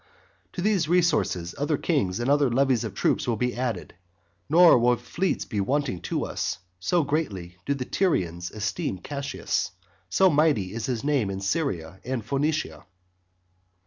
To these resources other kings and other levies of troops will be added. Nor will fleets be wanting to us; so greatly do the Tyrians esteem Cassius, so mighty is his name in Syria and Phoenicia.